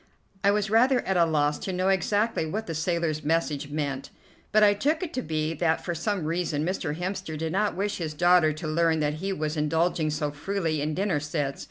I was rather at a loss to know exactly what the sailor's message meant, but I took it to be that for some reason Mr. Hemster did not wish his daughter to learn that he was indulging so freely in dinner sets.